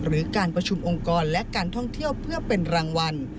หรือการประชุมองค์กรและการท่องเที่ยวเพื่อเป็นรางวัล